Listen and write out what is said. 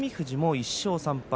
１勝３敗。